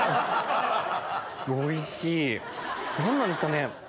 おいしい何なんですかね。